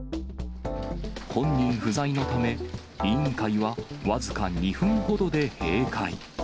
本人不在のため、委員会は僅か２分ほどで閉会。